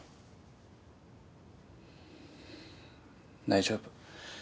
大丈夫。